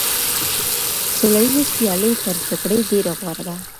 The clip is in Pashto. سوله ييزه سيالي تر جګړې ډېره غوره ده.